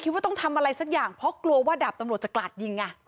ว่าต้องทำอะไรสักอย่างเพราะกลัวว่าดาบตำรวจจะกราดยิง